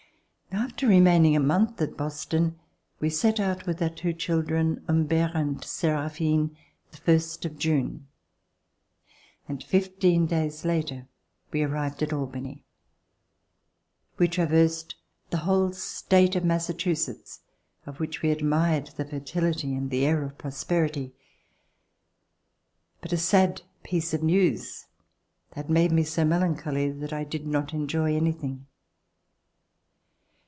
After remaining a month at Boston we set out with our two children, Humbert and Seraphine, the first of June, and fifteen days later we arrived at Albany. We traversed the whole state of Massa chusetts, of which we admired the fertility and the air of prosperity. But a sad piece of news had made me so melancholy that I did not enjoy anything.